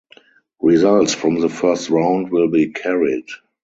Results from the first round will be carried.